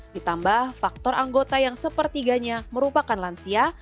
ditambah faktor anggota yang sepertiganya merupakan lansia